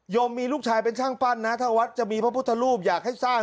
มีลูกชายเป็นช่างปั้นนะถ้าวัดจะมีพระพุทธรูปอยากให้สร้าง